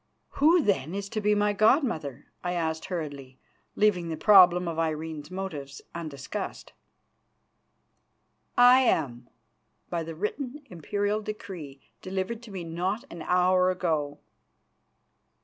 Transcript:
"Who, then, is to be my god mother?" I asked hurriedly, leaving the problem of Irene's motives undiscussed. "I am, by the written Imperial decree delivered to me not an hour ago."